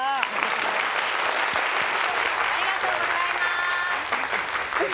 ありがとうございます